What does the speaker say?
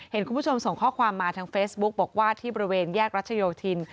เห็นคุณผู้ชมส่งข้อความมาทางเฟซบุ๊กบอกว่าที่บริเวณแยกรัชโยธิน